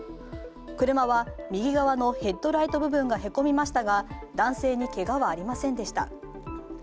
車は右側のヘッドライト部分がへこみましたが男性にけがはありませんでした。